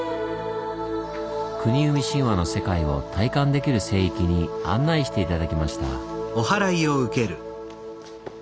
国生み神話の世界を体感できる聖域に案内して頂きました。